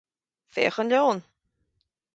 Féach an leon!